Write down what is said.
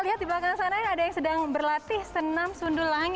tapi kan kemenfora kan baru saja memperkenalkan senam sundulangit